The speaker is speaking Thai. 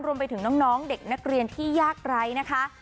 รวมไปถึงน้องเด็กนักเรียนที่ยากไร้นะคะ